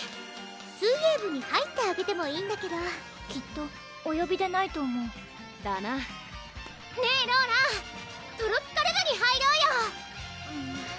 水泳部に入ってあげてもいいんだけどきっとおよびでないと思うだなねぇローラトロピカる部に入ろうよ！